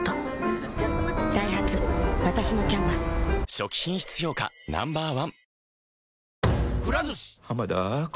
初期品質評価Ｎｏ．１